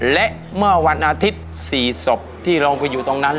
และเมื่อวันอาทิตย์๔ศพที่เราไปอยู่ตรงนั้น